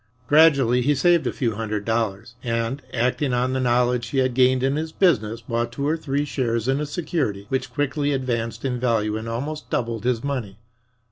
Gradually he saved a few hundred dollars and, acting on the knowledge he had gained in his business, bought two or three shares in a security which quickly advanced in value and almost doubled his money.